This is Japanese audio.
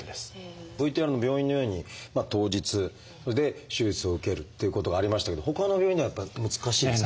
ＶＴＲの病院のように当日それで手術を受けるっていうことがありましたけどほかの病院ではやっぱ難しいんですか？